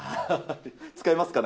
使いますか？